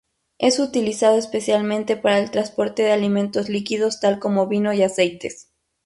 Es utilizado especialmente para el transporte de alimentos líquidos, tal como vino y aceites.